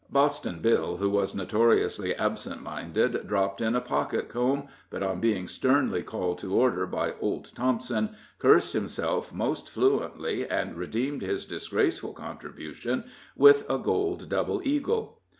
Boston Bill, who was notoriously absent minded, dropped in a pocket comb, but, on being sternly called to order by old Thompson, cursed himself most fluently, and redeemed his disgraceful contribution with a gold double eagle.